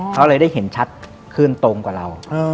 เขาเลยได้เห็นชัดขึ้นตรงกว่าเรา